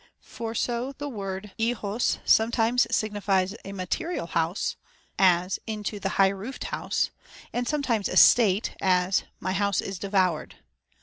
For so the word ohog sometimes signifies a material house, as, Into the high roofed house ; and sometimes estate, as, My house is devoured.